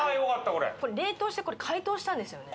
これこれ冷凍して解凍したんですよね